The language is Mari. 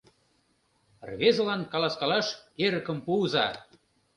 Рвезылан каласкалаш эрыкым пуыза.